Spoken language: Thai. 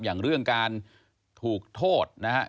อย่างเรื่องการถูกโทษนะครับ